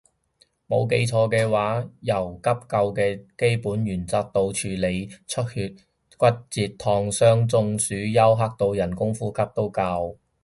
冇記錯嘅話由急救嘅基本原則到處理出血骨折燙傷中暑休克到人工呼吸都教